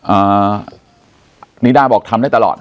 อ่านิด้าบอกทำได้ตลอด